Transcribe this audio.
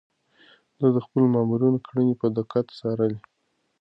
ده د خپلو مامورينو کړنې په دقت څارلې.